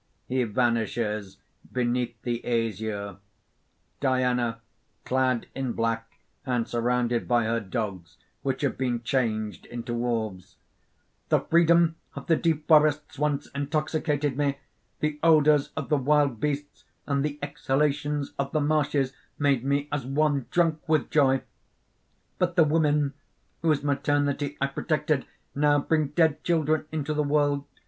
(He vanishes beneath the azure.) DIANA (clad in black and surrounded by her dogs, which have been changed into wolves). "The freedom of the deep forests once intoxicated me; the odours of the wild beasts and the exhalations of the marshes made me as one drank with joy. But the women whose maternity I protected, now bring dead children into the world.